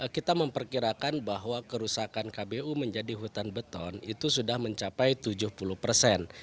kita memperkirakan bahwa kerusakan kbu menjadi hutan beton itu sudah mencapai tujuh puluh persen